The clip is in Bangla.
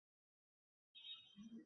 এই দেখ না, টিনা এসেছে কি না।